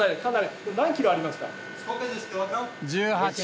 何キロありますか？